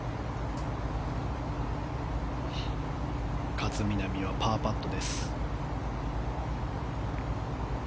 勝みなみはパーパット。